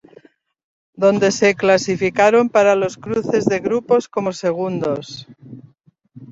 Donde se clasificaron para los cruces de grupos como segundos.